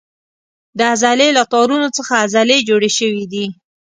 د عضلې له تارونو څخه عضلې جوړې شوې دي.